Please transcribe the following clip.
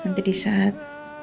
nanti di saat